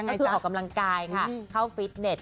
ก็คือออกกำลังกายค่ะเข้าฟิตเน็ต